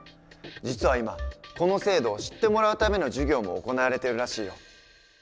実は今この制度を知ってもらうための授業も行われてるらしいよ。